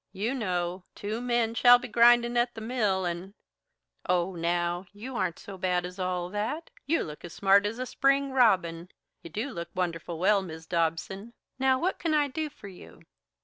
You know 'Two men shall be grindin' at the mill and' " "Oh, now, you aren't so bad as all that. You look as smart as a spring robin you do look wonderful well, Mis' Dobson. Now, what can I do for you?"